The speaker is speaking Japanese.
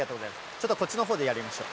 ちょっとこっちのほうでやりましょう。